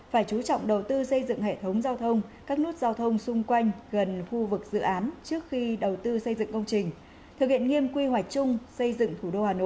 phải chú trọng đầu tư xây dựng hệ thống giao thông các nút giao thông xung quanh gần khu vực dự án trước khi đầu tư xây dựng công trình